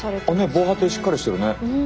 防波堤しっかりしてるね。